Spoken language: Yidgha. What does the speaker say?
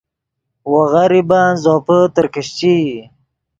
وو غریبن زوپے ترکیشچئی